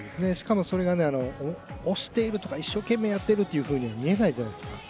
しかもそれが押しているとか一生懸命やっているとかそう見えないじゃないですか。